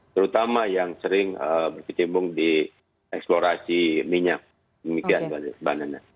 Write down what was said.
terutama yang sering berkecimpung di eksplorasi minyak demikian mbak nana